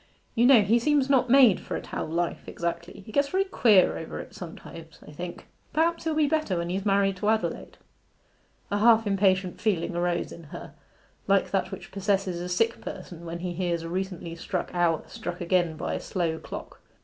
You know, he seems not made for a town life exactly: he gets very queer over it sometimes, I think. Perhaps he'll be better when he's married to Adelaide.' A half impatient feeling arose in her, like that which possesses a sick person when he hears a recently struck hour struck again by a slow clock.